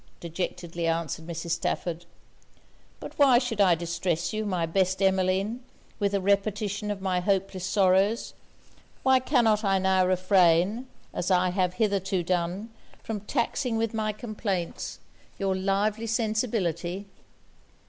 dejectedly answered Mrs. Stafford. 'But why should I distress you, my best Emmeline, with a repetition of my hopeless sorrows; why cannot I now refrain, as I have hitherto done, from taxing with my complaints your lively sensibility?'